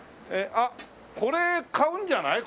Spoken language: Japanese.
あっこれ買うんじゃない？